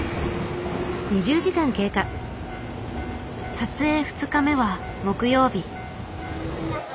撮影２日目は木曜日。